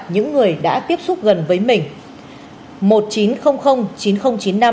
những người đã tiếp xúc gần với mình